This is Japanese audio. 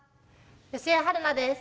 吉江晴菜です。